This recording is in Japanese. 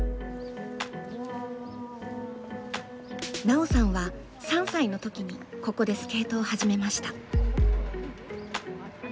奈緒さんは３歳の時にここでスケートを始めました。